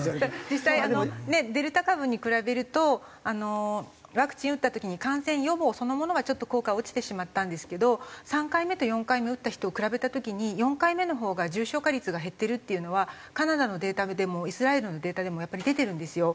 実際あのデルタ株に比べるとワクチン打った時に感染予防そのものはちょっと効果は落ちてしまったんですけど３回目と４回目打った人を比べた時に４回目のほうが重症化率が減ってるっていうのはカナダのデータでもイスラエルのデータでもやっぱり出てるんですよ。